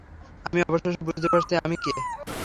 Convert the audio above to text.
আমি অবশেষে বুঝতে পারছি আমি কে।